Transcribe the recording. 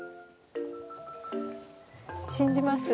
信じます。